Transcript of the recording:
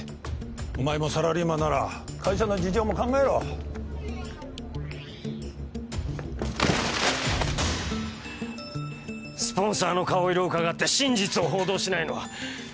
お前もサラリーマンなら会社の事情も考えろスポンサーの顔色うかがって真実を報道しないのは